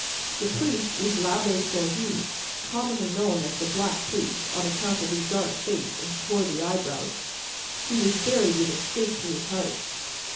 The priest was l'Abbé Sorgue, commonly known as the Black Priest on account of his dark face and swarthy eyebrows. He was buried with a stake through his heart."